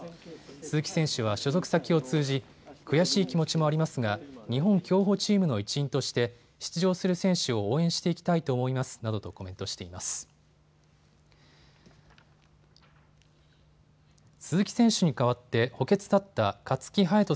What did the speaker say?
鈴木選手は所属先を通じ悔しい気持ちもありますが日本競歩チームの一員として、出場する選手を応援していきたいと思いますなどとコメントしています。